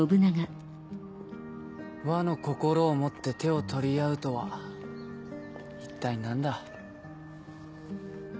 和の心を持って手を取り合うとは一体何だ。